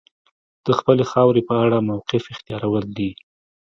د خپلې خاورې په اړه موقف اختیارول دي.